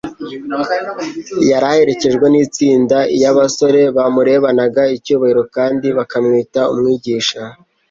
Yari aherekejwe n'itsinda iy'abasore bamurebanaga icyubahiro kandi bakamwita Umwigisha.